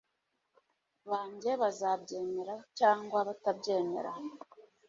banjye bazabyemera cyangwa batabyemera